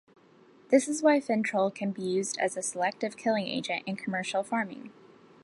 This is why Fintrol can be used a selective killing agent in commercial farming.